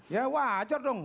ya wajar dong